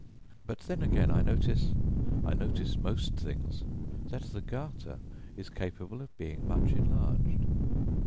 But then again I notice I notice most things that the garter is capable of being much enlarged.